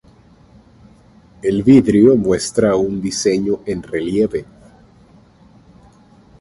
El vidrio muestra un diseño en relieve.